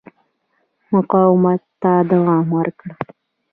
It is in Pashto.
مقاومت ته دوام ورکړ.